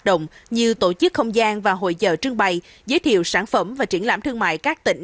động như tổ chức không gian và hội dở trưng bày giới thiệu sản phẩm và triển lãm thương mại các tỉnh